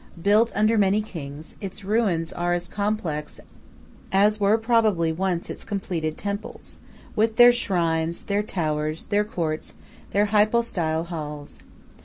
Built under many kings, its ruins are as complex as were probably once its completed temples, with their shrines, their towers, their courts, their hypo style halls.